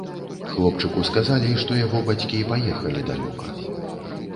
Хлопчыку сказалі, што яго бацькі паехалі далёка.